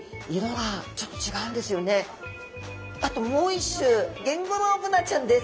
あともう一種ゲンゴロウブナちゃんです。